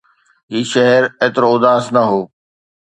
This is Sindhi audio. هي شهر ايترو اداس نه هو